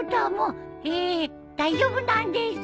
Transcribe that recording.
ええ大丈夫なんです。